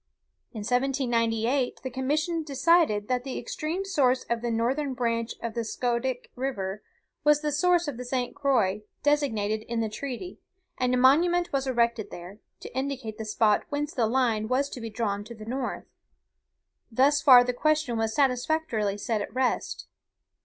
In 1798, the commission decided that the extreme source of the northern branch of the Scoodic river was the source of the St. Croix designated in the treaty; and a monument was erected there, to indicate the spot whence the line was to be drawn to the north. Thus far the question was satisfactorily set at rest.